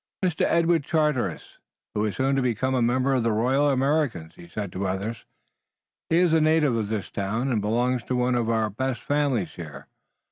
"Master Edward Charteris,[A] who is soon to become a member of the Royal Americans," he said to the others. "He is a native of this town and belongs to one of our best families here.